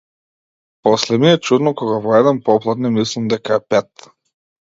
После ми е чудно кога во еден попладне мислам дека е пет.